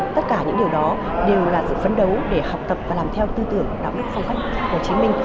tất cả những điều đó đều là sự phấn đấu để học tập và làm theo tư tưởng đạo đức phong cách hồ chí minh